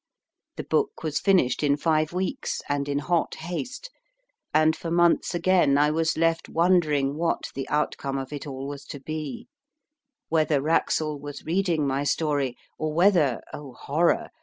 The book was finished in five w r eeks, and in hot haste, and for months again I was left wondering what the outcome of it all was to be ; whether Wraxall was reading my story, or whether oh, horror